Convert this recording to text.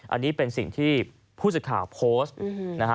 อันนี้เป็นสิ่งที่ผู้สิทธิ์ข่าวโพสต์